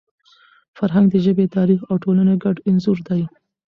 فرهنګ د ژبي، تاریخ او ټولني ګډ انځور دی.